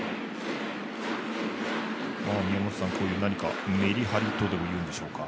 宮本さん、こういうメリハリとでも言うんでしょうか